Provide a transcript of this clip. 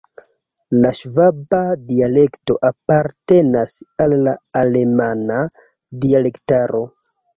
La ŝvaba dialekto apartenas al la alemana dialektaro.